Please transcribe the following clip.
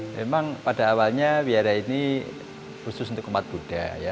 memang pada awalnya wiara ini khusus untuk umat buddha